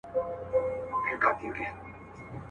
له خپله سیوري خلک ویریږي.